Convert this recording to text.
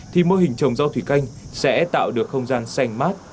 thì mô hình trồng rau thủy canh sẽ tạo được không gian xanh mát